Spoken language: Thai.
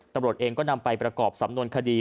ตำรวจเองก็นำไปประกอบสำนวนคดี